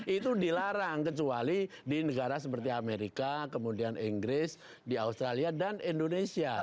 itu dilarang kecuali di negara seperti amerika kemudian inggris di australia dan indonesia